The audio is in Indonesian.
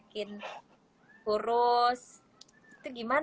karena ada grosongan